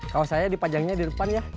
kalau saya dipajangnya di depan ya